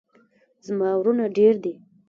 زما ورونه ډیر دي